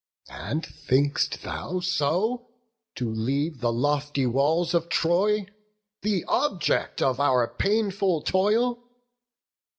And think'st thou so to leave the lofty walls Of Troy, the object of our painful toil?